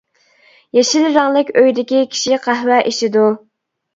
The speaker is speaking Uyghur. يېشىل رەڭلىك ئۆيدىكى كىشى قەھۋە ئىچىدۇ.